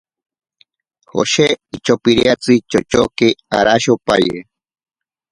Joshe ichopiriatsi chochoke arashopaye.